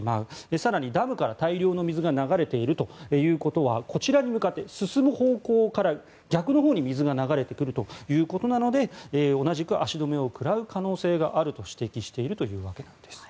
更にダムから大量の水が流れているということはこちらに向かって進む方向から逆のほうに水が流れてくるということなので同じく足止めを食らう可能性があると指摘しているというわけです。